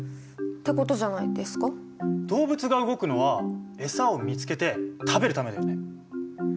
動物が動くのはエサを見つけて食べるためだよね。